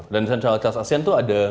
dan sentralitas asean itu ada